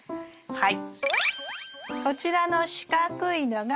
はい。